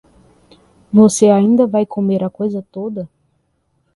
Você ainda vai comer a coisa toda?